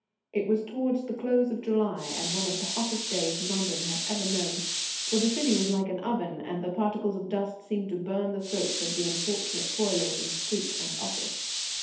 It was towards the close of July, and one of the hottest days London had ever known, for the City was like an oven, and the particles of dust seemed to burn the throats of the unfortunate toilers in street and office.